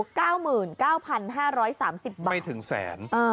๙๙๕๓๐บาทไม่ถึงแสน